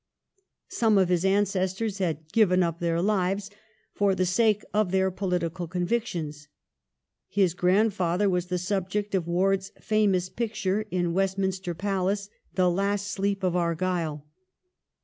Some of his ancestors had given up their lives for the sake of their political convictions. His grandfather was the subject of Ward's famous picture in Westminster Palace, ' The Last Sleep of Argyle.'